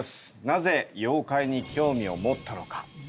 なぜ妖怪に興味を持ったのか。